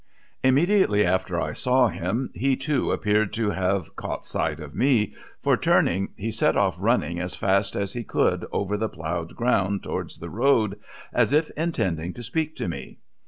Immediately after I saw him he, too, appeared to have caught sight of me, for turning he set off running as fast as he could over the ploughed ground towards the road, as if intending to speak to me.